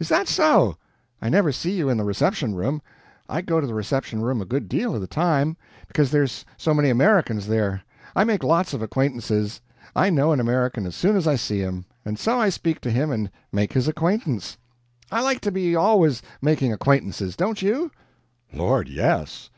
is that so? I never see you in the reception room. I go to the reception room a good deal of the time, because there's so many Americans there. I make lots of acquaintances. I know an American as soon as I see him and so I speak to him and make his acquaintance. I like to be always making acquaintances don't you?" "Lord, yes!"